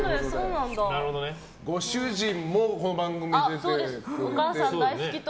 ご主人もこの番組出てくれて。